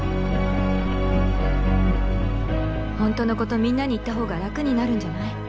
本当のことみんなに言った方が楽になるんじゃない？